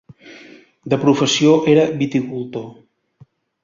De professió era viticultor.